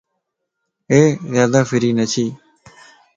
اي زيادا فري نه ڇي